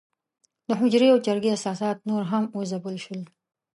د حجرې او جرګې اساسات نور هم وځپل شول.